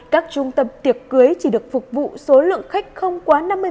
các trung tâm tiệc cưới chỉ được phục vụ số lượng khách không quá năm mươi